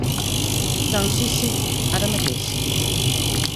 Doncs si si, ara mateix.